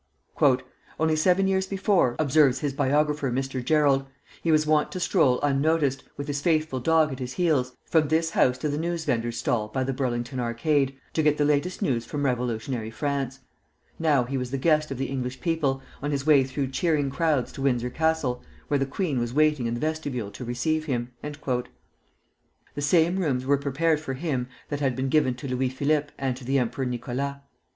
"Only seven years before," observes his biographer, Mr. Jerrold, "he was wont to stroll unnoticed, with his faithful dog at his heels, from this house to the news vendor's stall by the Burlington Arcade, to get the latest news from revolutionary France; now he was the guest of the English people, on his way through cheering crowds to Windsor Castle, where the queen was waiting in the vestibule to receive him." The same rooms were prepared for him that had been given to Louis Philippe and to the Emperor Nicholas.